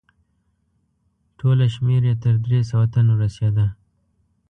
ټوله شمیر یې تر درې سوه تنو ته رسیده.